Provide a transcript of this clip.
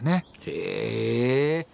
へえ。